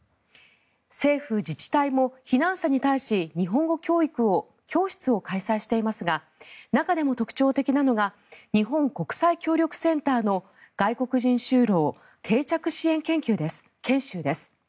政府、自治体も避難者に対し日本語教室を開催していますが中でも特徴的なのが日本国際協力センターの外国人就労・定着支援研修です。